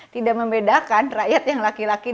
tidak membedakan rakyat yang laki laki